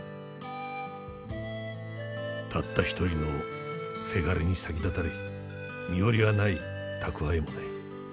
「たった一人の伜に先立たれ身よりはない蓄えもない。